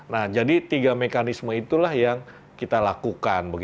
nah jadi tiga mekanisme itulah yang kita lakukan